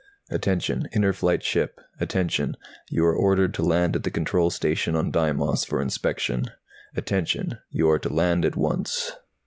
_ "Attention, Inner Flight ship! Attention! You are ordered to land at the Control Station on Deimos for inspection. Attention! You are to land at once!"